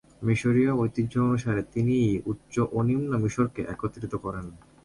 মিশরীয় ঐতিহ্য অনুসারে তিনিই উচ্চ ও নিম্ন মিশরকে একত্রিত করেন।